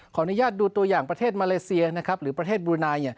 อนุญาตดูตัวอย่างประเทศมาเลเซียนะครับหรือประเทศบลูไน